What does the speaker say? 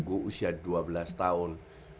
gue usia dua belas tahun